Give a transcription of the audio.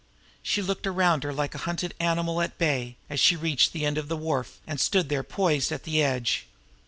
She looked around her like a hunted animal at bay, as she reached the end of the wharf and stood there poised at the edge.